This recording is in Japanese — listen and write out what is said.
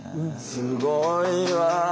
すごいわ！